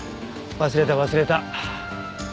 忘れた忘れた。